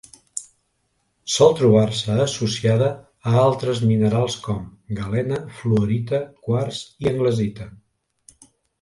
Sol trobar-se associada a altres minerals com: galena, fluorita, quars i anglesita.